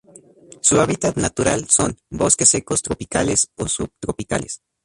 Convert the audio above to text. Su hábitat natural son: bosques secos tropicales o subtropicales.